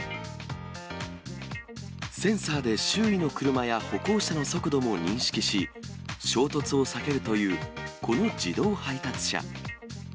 センサーで周囲の車や歩行者の速度も認識し、衝突を避けるというこの自動配達車。